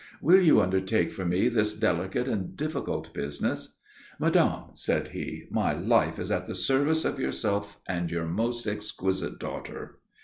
Will you undertake for me this delicate and difficult business?" "Madame," said he, "my life is at the service of yourself and your most exquisite daughter."